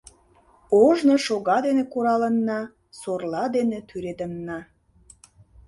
Ожно шога дене куралынна, сорла дене тӱредынна.